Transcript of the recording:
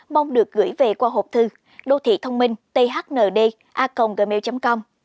mong được gửi về qua hộp thư đô thị thông minh thnd a gmail com